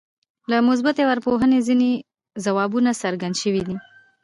له مثبتې ارواپوهنې ځينې ځوابونه څرګند شوي دي.